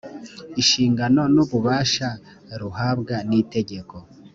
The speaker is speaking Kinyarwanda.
inshingano n ububasha ruhabwa n itegeko